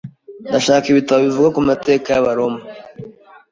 Ndashaka ibitabo bivuga ku mateka y'Abaroma.